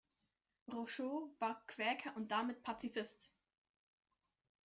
Rochow war Quäker und damit Pazifist.